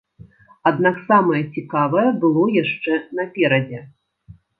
Аднак самае цікавае было яшчэ наперадзе.